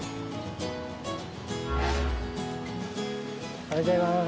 おはようございます。